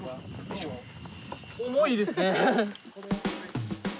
重いですね。